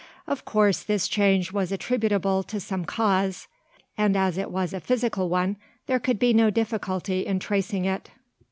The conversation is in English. Of coarse this change was attributable to some cause; and as it was a physical one, there could be no difficulty in tracing it.